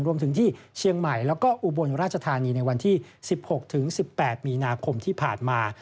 รวมถึงที่เชียงใหม่แล้วก็อุบลราชธานีในวันที่๑๖๑๘มีนาคมที่ผ่านมา